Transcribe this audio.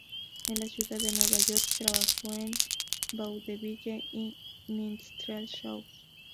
En la ciudad de Nueva York, trabajó en vaudeville y "minstrel shows".